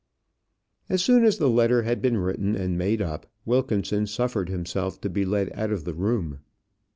As soon as the letter had been written and made up, Wilkinson suffered himself to be led out of the room.